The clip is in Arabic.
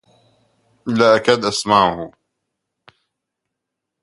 لا أكاد أسمعه.